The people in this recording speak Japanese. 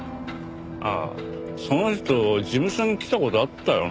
ああその人事務所に来た事あったよな。